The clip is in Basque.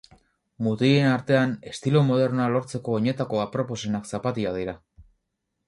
Mutilen artean estilo modernoa lortzeko oinetako aproposenak zapatilak dira.